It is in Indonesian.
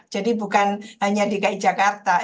jadi bukan hanya dki jakarta